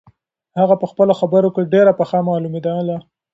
هغه په خپلو خبرو کې ډېره پخه معلومېدله.